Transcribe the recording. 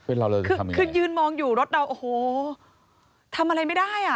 โอ้โฮคือยืนมองอยู่รถเราโอ้โฮทำอะไรไม่ได้